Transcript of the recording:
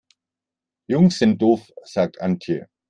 Jungs sind doof, sagt Antje.